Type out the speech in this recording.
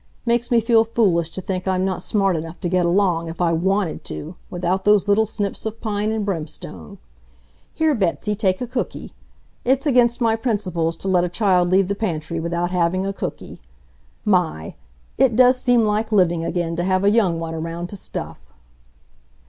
Makes me feel foolish to think I'm not smart enough to get along, if I WANTED to, without those little snips of pine and brimstone. Here, Betsy, take a cooky. It's against my principles to let a child leave the pantry without having a cooky. My! it does seem like living again to have a young one around to stuff!"